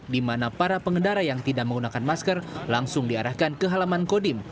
di mana para pengendara yang tidak menggunakan masker langsung diarahkan ke halaman kodim